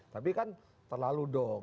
tapi kan terlalu dong